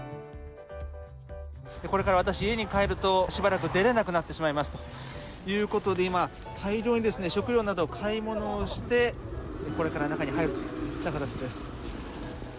これから私、家に帰るとしばらく出られなくなるということで今、大量に食料などを買い物してこれから中に入るところです。